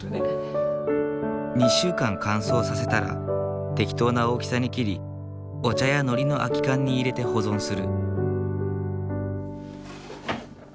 ２週間乾燥させたら適当な大きさに切りお茶やノリの空き缶に入れて保存する。